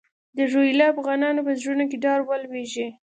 د روهیله افغانانو په زړونو کې ډار ولوېږي.